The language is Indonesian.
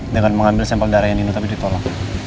dengan mengambil sampel darahnya nino tapi ditolak